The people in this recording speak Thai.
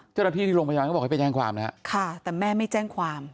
เจ้าหน้าที่ที่โรงพยาบาลเขาบอกให้ไปแจ้งความนะฮะค่ะแต่แม่ไม่แจ้งความ